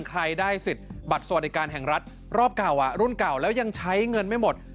ใครได้สิทธิ์บัตรสวัสดิการแห่งรัฐรอบเก่ารุ่นเก่าแล้วยังใช้เงินไม่หมด